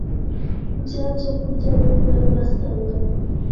bya byokurya bibi bari basanganywe